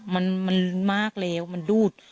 มันมากแล้วมันดูด